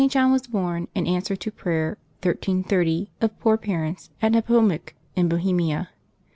John" was born, in answer to prayer, 1330, of poor parents, at Nepomuc in Bohemia.